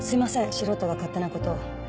素人が勝手な事を。